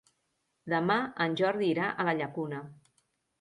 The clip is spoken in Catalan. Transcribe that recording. Demà en Jordi irà a la Llacuna.